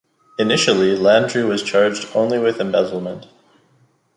Initially, Landru was charged only with embezzlement.